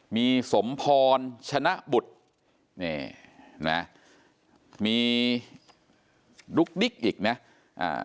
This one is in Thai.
มีสมพรชนะบุตรนี่เห็นไหมมีดุ๊กดิ๊กอีกเนี่ยอ่า